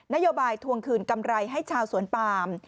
นโยบายทวงคืนกำไรให้ชาวสวนปาม